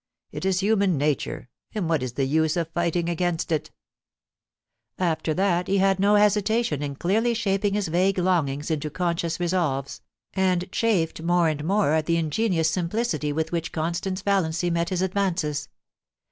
It is human nature, and what is the use of fighting against it ?* After that he had no hesitation in clearly shaping his vague longings into conscious resolves, and chafed more and more at the ingenious simplicit)' with which Constance Valiancy met his advances.